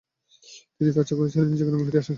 তিনি তার চাকরি ছেড়ে নিজের গ্রামে ফিরে আসেন।